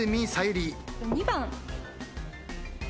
２番。